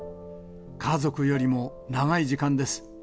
家族よりも長い時間です。